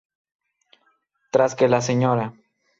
Tras que la Sra.